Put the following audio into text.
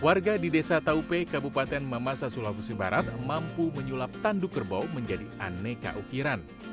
warga di desa taupe kabupaten mamasa sulawesi barat mampu menyulap tanduk kerbau menjadi aneka ukiran